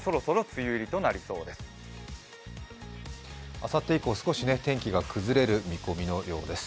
あさって以降少し、天気が崩れる見込みのようです。